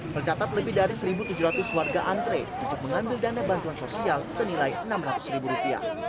tercatat lebih dari satu tujuh ratus warga antre untuk mengambil dana bantuan sosial senilai rp enam ratus